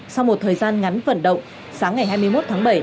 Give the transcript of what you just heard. sau một thời gian ngắn vận động sáng ngày hai mươi một tháng bảy